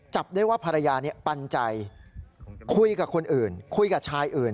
จับได้ว่าภรรยาปันใจคุยกับคนอื่นคุยกับชายอื่น